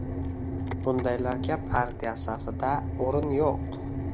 — Bundaylarga partiya safida o‘rin yo‘q!